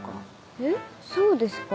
えっそうですか？